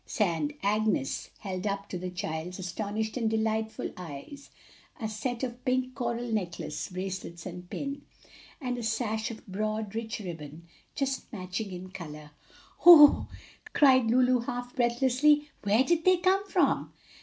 and Agnes held up to the child's astonished and delighted eyes a set of pink coral, necklace, bracelets and pin, and a sash of broad, rich ribbon just matching in color. "Oh," cried Lulu half breathlessly, "where did they come from?"